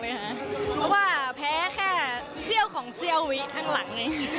เพราะว่าแพ้แค่เสี้ยวของเสี้ยววิข้างหลัง